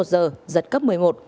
giật cấp một mươi một